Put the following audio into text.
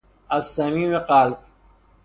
از صمیم قلب